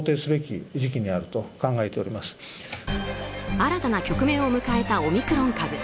新たな局面を迎えたオミクロン株。